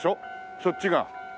そっちが。